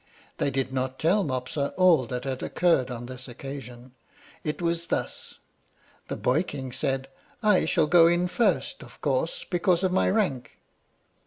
They did not tell Mopsa all that had occurred on this occasion. It was thus: The boy king said, "I shall go in first, of course, because of my rank."